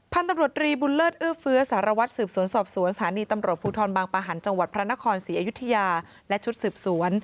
พันธุ์ตำรวจรีบุญเลิศเอื้อเฟื้อสารวัตรสืบสวนสอบสวนสถานีตำรวจภูทรบางประหันต์จังหวัดพระนครศรีอยุธยาและชุดสืบสวน